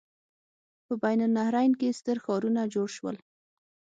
په بین النهرین کې ستر ښارونه جوړ شول.